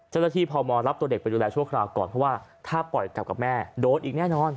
พมรับตัวเด็กไปดูแลชั่วคราวก่อนเพราะว่าถ้าปล่อยกลับกับแม่โดนอีกแน่นอน